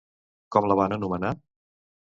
Com la van anomenar?